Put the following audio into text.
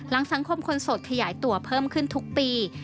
สังคมคนสดขยายตัวเพิ่มขึ้นทุกปี